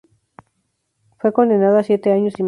Fue condenada a siete años y medio.